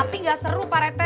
tapi nggak seru pak rete